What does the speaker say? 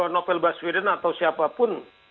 nobel baswedan atau siapapun